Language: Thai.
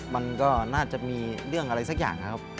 มันก็มีเรื่องอะไรสักอย่างครับครับ